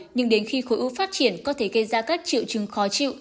nhưng đến khi khối u phát triển có thể gây ra các triệu chứng khó chịu